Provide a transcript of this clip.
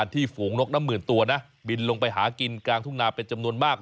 ฝูงนกน้ำหมื่นตัวนะบินลงไปหากินกลางทุ่งนาเป็นจำนวนมาก